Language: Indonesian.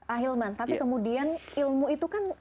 ah hilman tapi kemudian ilmu itu kan